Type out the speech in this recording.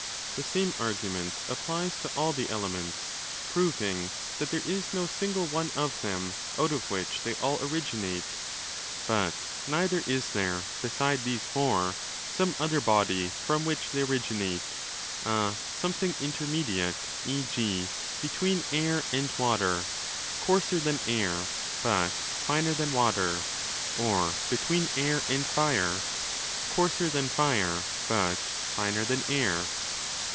The same argument applies to all the 'elements', proving that there is no single one of them out of which they all originate. But neither is there, beside these four, some other body from which they originate—a something inter mediate, e.g., between Air and Water (coarser than Air, but finer than Water), or between Air and Fire (coarser than Fire, but finer than Air).